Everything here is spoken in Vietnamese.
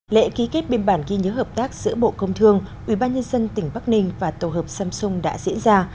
lễ ký kết biên bản ghi nhớ hợp tác giữa bộ công thương ubnd tỉnh bắc ninh và tổ hợp samsung đã diễn ra